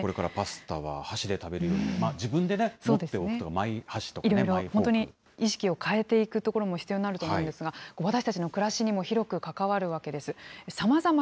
これからパスタは箸で食べるように、自分でね、持っておくと、いろいろ本当に意識を変えていくところも必要になると思うんですが、私たちの暮らしにも広く関わるわけです。